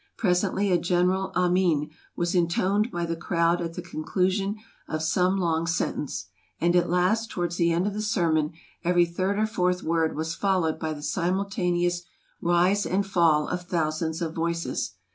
Presently a general "Amin" was intoned by the crowd at the conclusion of some long sentence. And at last, towards the end of the sermon, every third or fourth word was followed by the simultaneous rise and fall of thousands of voices.